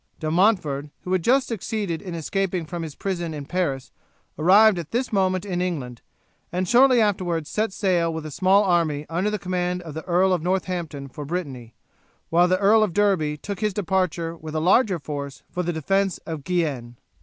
De Montford, who had just succeeded in escaping from his prison in Paris, arrived at this moment in England, and shortly afterwards set sail with a small army under the command of the Earl of Northampton for Britanny, while the Earl of Derby took his departure with a larger force for the defence of Guienne.